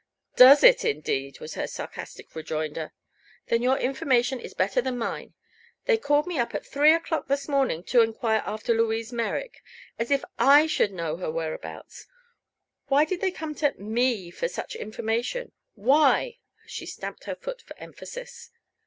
"Does it, indeed?" was her sarcastic rejoinder. "Then your information is better than mine. They called me up at three o'clock this morning to enquire after Louise Merrick as if I should know her whereabouts. Why did they come to me for such information? Why?" she stamped her foot for emphasis.